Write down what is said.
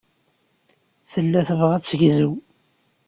Tella tebɣa ad tegzu.